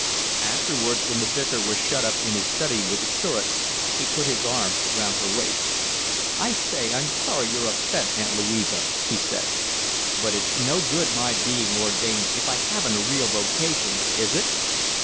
Afterwards, when the Vicar was shut up in his study with the curate, he put his arms round her waist. "I say, I'm sorry you're upset, Aunt Louisa," he said. "But it's no good my being ordained if I haven't a real vocation, is it?"